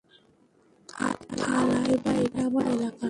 থালাইভা এটা আমার এলাকা।